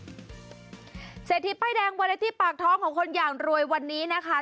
เศรษฐีป้ายแดงวันละที่ปากท้องของคนอย่างรวยวันนี้นะคะ